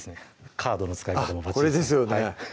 カードの使い方もバッチリあっこれですよね